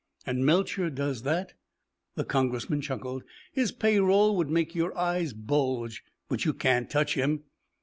"And Melcher does that?" The Congressman chuckled. "His pay roll would make your eyes bulge. But you can't touch him."